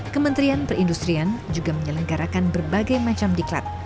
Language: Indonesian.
kementerian perindustrian juga menyelenggarakan berbagai macam diklat